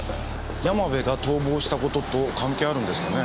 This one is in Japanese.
山部が逃亡したことと関係あるんですかね。